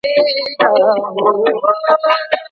ایا ځايي کروندګر خندان پسته صادروي؟